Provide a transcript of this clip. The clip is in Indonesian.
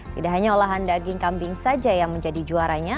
tidak hanya olahan daging kambing saja yang menjadi juaranya